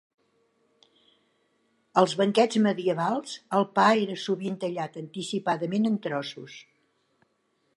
Als banquets medievals el pa era sovint tallat anticipadament en trossos.